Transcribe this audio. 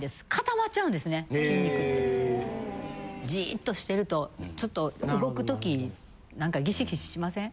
じっとしてるとちょっと動く時なんかギシギシしません？